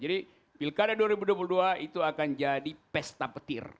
jadi pilkada dua ribu dua puluh dua itu akan jadi pesta petir